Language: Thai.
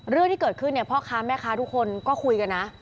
เรื่องที่เกิดขึ้นเนี่ยพ่อค้าแม่ค้าทุกคนก็คุยกันนะ